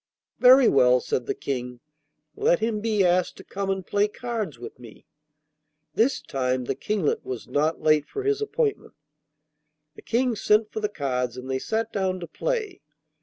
'Very well,' said the King; 'let him be asked to come and play cards with me.' This time the Kinglet was not late for his appointment. The King sent for the cards and they sat down to play.